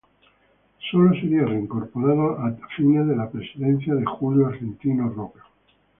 Sólo sería reincorporado a fines de la presidencia de Julio Argentino Roca.